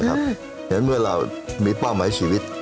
เพราะฉะนั้นเมื่อเรามีเป้าหมายชีวิต